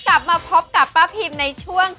กลับมาพบกับป้าพิมในช่วง